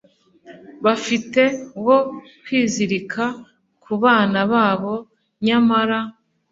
bafite wo kwizirika ku bana babo nyamara